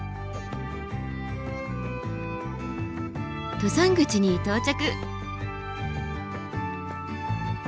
登山口に到着。